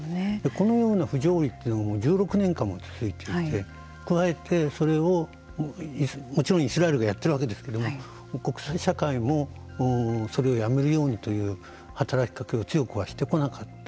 このような不条理が１６年間も続いていて加えてそれをもちろんイスラエルがやっているわけですけれども国際社会もそれをやめるようにという働きかけを強くはしてこなかった。